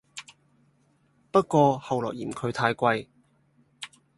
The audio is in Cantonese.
不過後來嫌佢太貴